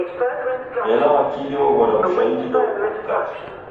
Ela wakili oghora w'ushahidi ndoghuko ghukate.